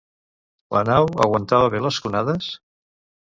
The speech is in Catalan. La nau aguantava bé les onades?